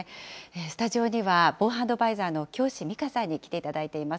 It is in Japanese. スタジオには防犯アドバイザーの京師美佳さんに来ていただいております。